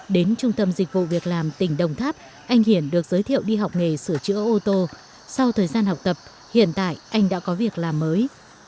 đến trung tâm dịch vụ việc làm tỉnh đồng tháp anh hiển được giới thiệu đi học nghề sửa chữa ô tô sau thời gian học tập hiện tại anh đã có việc làm mới